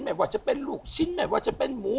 ไม่ว่าจะเป็นลูกชิ้นไม่ว่าจะเป็นหมู